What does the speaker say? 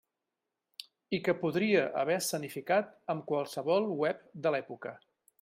I que podria haver escenificat amb qualsevol web de l'època.